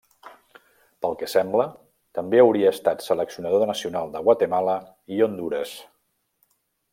Pel que sembla, també hauria estat Seleccionador Nacional de Guatemala i Hondures.